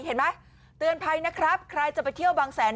เห็นไหมเตือนภัยนะครับใครจะไปเที่ยวบางแสน